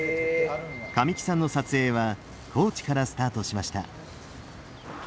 神木さんの撮影は高知からスタートしました。